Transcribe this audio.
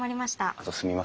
あとすみません